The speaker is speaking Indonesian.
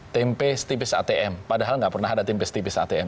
tempe setipis atm padahal nggak pernah ada tempe setipis atm